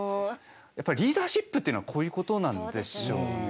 やっぱりリーダーシップっていうのはこういうことなんでしょうね。